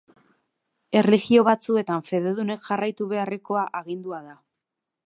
Erlijio batzuetan fededunek jarraitu beharrekoa agindua da.